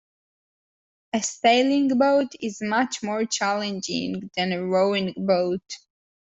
A sailing boat is much more challenging than a rowing boat